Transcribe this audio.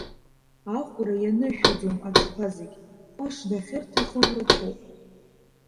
Аӷәра ианышәаӡом аҽқәа зегь, ҟыш дахьырҭахым рацәоуп.